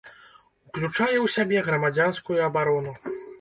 Ўключае ў сябе грамадзянскую абарону.